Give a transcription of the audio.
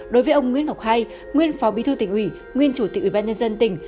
đối với ông nguyễn ngọc hai nguyên phó bí thư tỉnh ủy nguyên chủ tịch ủy ban nhân dân tỉnh